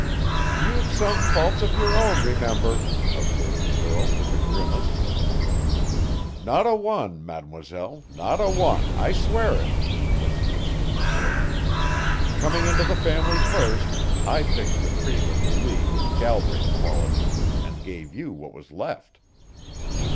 "You've some faults of your own, remember," observed the girl, with a grimace. "Not a one, mademoiselle, not a one! I swear it," was the instant retort. "Coming into the family first, I picked the cream of the Lee and Galbraith qualities and gave you what was left."